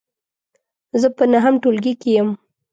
زه په نهم ټولګې کې یم .